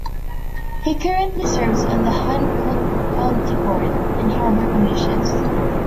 He currently serves on the Hancock County Port and Harbor Commission.